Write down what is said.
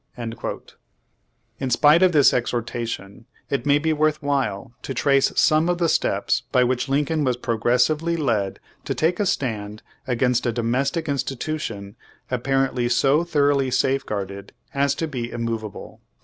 ^ In spite of this exhortation, it may be Vv'orth while to trace some of the steps by which Lincoln was progressively led to take a stand against a "domestic institution" apparently so thoroughly safeguarded as to be immovable.